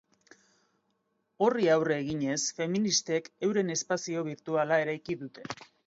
Horri aurre eginez, feministek euren espazio birtuala eraiki dute.